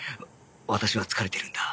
私は疲れているんだ